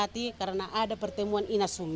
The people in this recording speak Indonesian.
kiek kebek pairing berusaha main pilesens